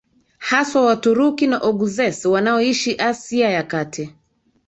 Haswa Waturuki na Oguzes wanaoishi Asia ya Kati